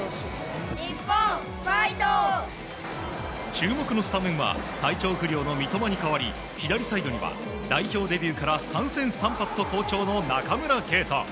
注目のスタメンは体調不良の三笘に代わり左サイドには代表デビューから３戦３発と好調の中村敬斗。